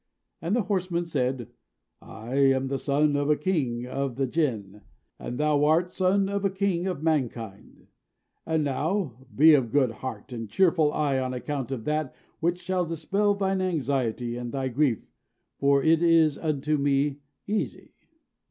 And the horseman said, "I am the son of a king of the Jinn, and thou art son of a king of mankind. And now, be of good heart and cheerful eye on account of that which shall dispel thine anxiety and thy grief, for it is unto me easy."